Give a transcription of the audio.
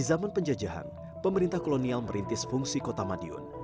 di zaman penjajahan pemerintah kolonial merintis fungsi kota madiun